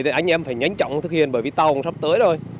thì anh em phải nhanh chóng thực hiện bởi vì tàu cũng sắp tới rồi